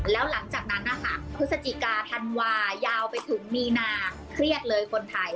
แล้วหลังจากนั้นนะคะพฤศจิกาธันวายาวไปถึงมีนาเครียดเลยคนไทย